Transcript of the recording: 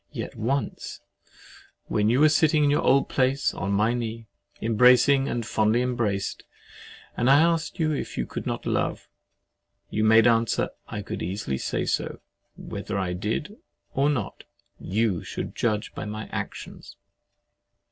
Yet once, when you were sitting in your old place, on my knee, embracing and fondly embraced, and I asked you if you could not love, you made answer, "I could easily say so, whether I did or not—YOU SHOULD JUDGE BY MY ACTIONS!"